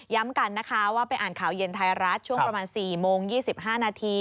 ย้ำกันนะคะว่าไปคาวเย็นไทยรัชช่วงประมาณสี่โมง๒๕นาที